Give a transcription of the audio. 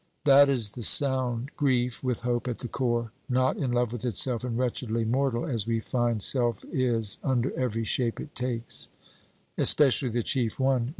'That is the sound grief, with hope at the core not in love with itself and wretchedly mortal, as we find self is under every shape it takes; especially the chief one.'